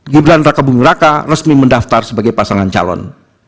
gibran raka bung raka resmi mendaftar sebagai pasangan calon